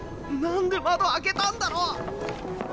何で窓開けたんだろう。